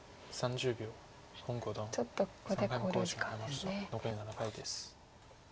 ちょっとここで考慮時間ですね。